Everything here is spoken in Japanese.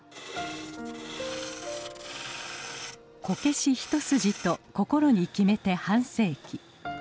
こけし一筋と心に決めて半世紀。